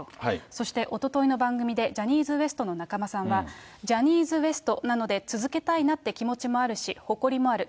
そして、おとといの番組でジャニーズＷＥＳＴの中間さんは、ジャニーズＷＥＳＴなので、続けたいなって気持ちもあるし、誇りもある。